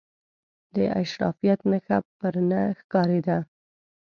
د اشرافیت نخښه پر نه ښکارېدله.